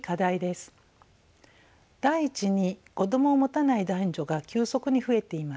第１に子どもを持たない男女が急速に増えています。